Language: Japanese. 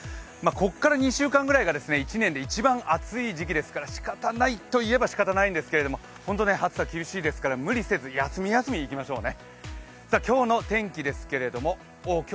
ここから２週間ぐらいが１年で一番暑いですからしかたないといえばしかたないんですけれども、暑さ厳しいですから休み休みいきましょうね。